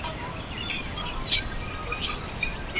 但其学生都十分尊敬他并怀念他上课时光。